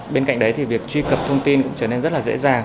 bên cạnh đấy thì việc truy cập thông tin cũng trở nên rất là dễ dàng